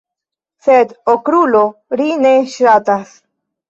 Sed Okrulo, ri ne ŝatas.